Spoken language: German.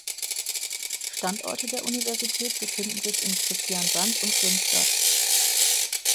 Standorte der Universität befinden sich in Kristiansand und Grimstad.